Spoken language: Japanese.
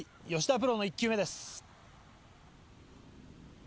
プロの１球目です。